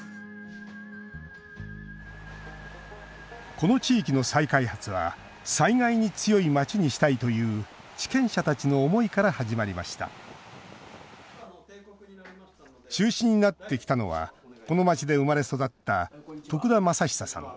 この地域の再開発は災害に強い街にしたいという地権者たちの思いから始まりました中心になってきたのはこの街で生まれ育った徳田昌久さん。